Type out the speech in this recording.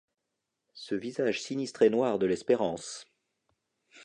Ce visage sinistre et noir de l’espérance